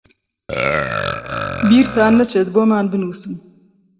بیرتان نەچێت بۆمان بنووسن.